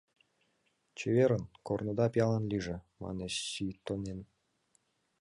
— Чеверын, корныда пиалан лийже, — мане Сийтонен.